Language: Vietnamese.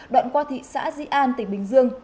đoạn qua thị xã di an tỉnh bình dương